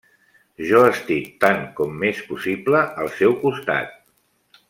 Jo estic tant com m'és possible al seu costat.